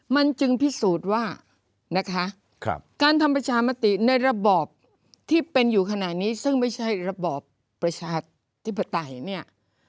มันจึงพิสูจน์ว่านะคะการทำประชามติในระบอบที่เป็นอยู่ขณะนี้ซึ่งไม่ใช่ระบอบประชาธิปไตยเนี่ย